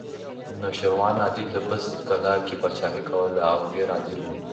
نوشیروان عادل د بست کلا کې پاچاهي کوله او ډېر عادل و